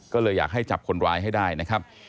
ก็เลยอยากให้จับคนร้ายให้ได้นะครับ